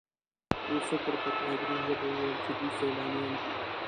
یوسف ورته په عبري ژبه وویل چې دوی سیلانیان دي.